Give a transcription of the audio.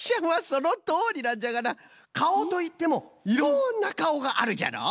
そのとおりなんじゃがなかおといってもいろんなかおがあるじゃろ。